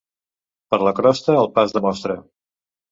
Per la crosta el pa es demostra.